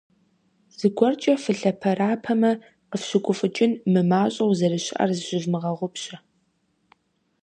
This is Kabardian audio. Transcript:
ЗыгуэркӀэ фылъэпэрапэмэ, къыфщыгуфӀыкӀын мымащӀэу зэрыщыӀэр зыщывмыгъэгъупщэ!